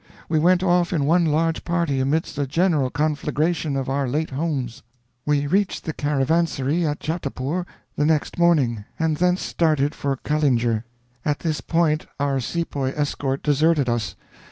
We went off in one large party, amidst a general conflagration of our late homes. We reached the caravanserai at Chattapore the next morning, and thence started for Callinger. At this point our sepoy escort deserted us.